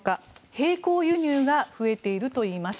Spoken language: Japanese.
並行輸入が増えているといいます。